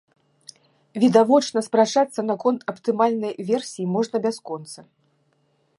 Відавочна, спрачацца наконт аптымальнай версіі можна бясконца.